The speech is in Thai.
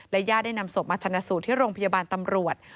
ญาติได้นำศพมาชนะสูตรที่โรงพยาบาลตำรวจ